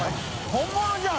本物じゃん！